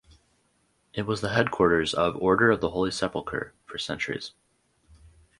It was the headquarters of Order of the Holy Sepulchre for centuries.